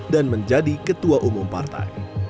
dan menjadi ketua umum partai